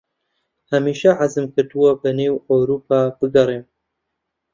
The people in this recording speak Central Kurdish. هەمیشە حەزم کردووە بەنێو ئەورووپا بگەڕێم.